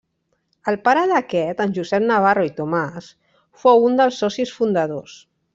El pare d'aquest -en Josep Navarro i Tomàs- fou un dels socis fundadors.